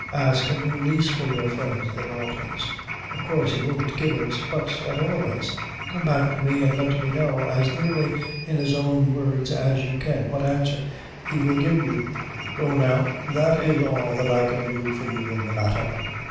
Ask a new lease for your friends, the Daltons of course he won't give it; but at all events, come back to me, and let me know, as nearly in his own words as you can, what answer he will give you; go now, that is all that I can do for you in the matter."